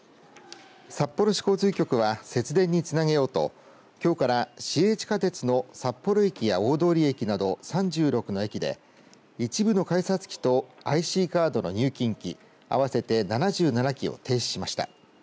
札幌市交通局は節電につなげようときょうから市営地下鉄のさっぽろ駅や大通駅など３６の駅で一部の改札機とＩＣカードの入金機合わせて７７機を停止しました。